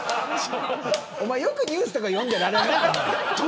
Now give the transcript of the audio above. おまえ、よくニュースとか読んでられるな。